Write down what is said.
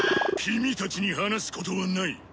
君たちに話すことはない。